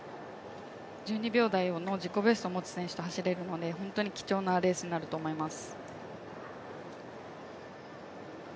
１２秒台の自己ベストを持つ選手と走れるので貴重なレースになると思います。